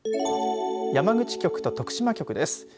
山口局と徳島局です。